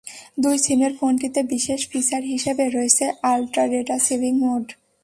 দুই সিমের ফোনটিতে বিশেষ ফিচার হিসেবে রয়েছে আলট্রা ডেটা সেভিং মোড।